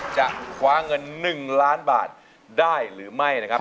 จะคว้าเงิน๑ล้านบาทได้หรือไม่นะครับ